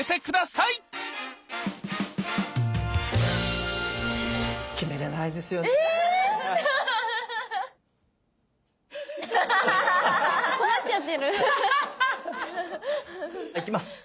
いきます。